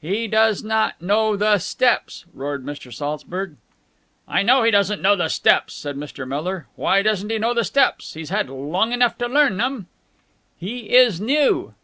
"He does not know the steps!" roared Mr. Saltzburg. "I know he doesn't know the steps," said Mr. Miller. "Why doesn't he know the steps? He's had long enough to learn them." "He is new!"